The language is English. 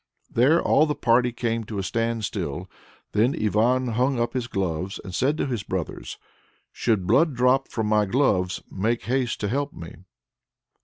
There all the party came to a standstill. Then Ivan hung up his gloves, and said to his brothers, "Should blood drop from my gloves, make haste to help me."